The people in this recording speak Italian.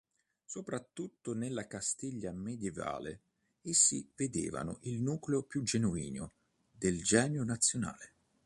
Soprattutto nella Castiglia medievale essi vedevano il nucleo più genuino del "genio nazionale".